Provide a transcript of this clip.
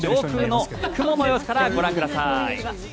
上空の雲の様子からご覧ください。